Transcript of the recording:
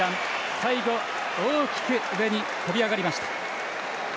最後は、大きく上に跳び上がりました。